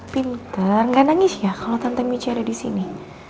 pinter gak nangis ya kalo tante michi ada disini